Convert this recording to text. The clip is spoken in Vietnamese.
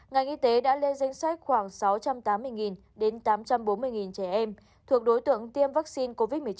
ngành y tế đã lên danh sách khoảng sáu trăm tám mươi đến tám trăm bốn mươi trẻ em thuộc đối tượng tiêm vaccine covid một mươi chín